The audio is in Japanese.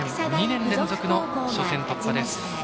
２年連続の初戦突破です。